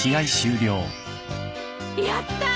やったー！